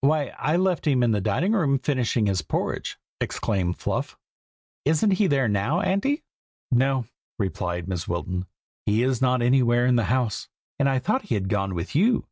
"Why, I left him in the dining room, finishing his porridge!" exclaimed Fluff. "Isn't he there now, Auntie?" "No!" replied Mrs. Wilton. "He is not anywhere in the house, and I thought he had gone with you.